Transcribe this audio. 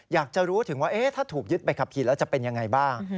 อยากจะรู้ถึงว่าถ้าถูกยึดใบขับขี่แล้วจะเป็นยังไงบ้าง